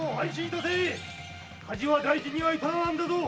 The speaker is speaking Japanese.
致せ火事は大事には至らなんだぞ。